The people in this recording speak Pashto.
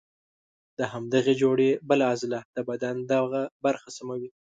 د همدغې جوړې بله عضله د بدن دغه برخه سموي.